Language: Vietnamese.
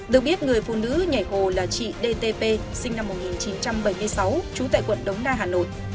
được biết người phụ nữ nhảy hồ là chị dtp sinh năm một nghìn chín trăm bảy mươi sáu trú tại quận đống đa hà nội